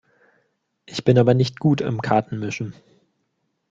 Ich bin aber nicht gut im Kartenmischen.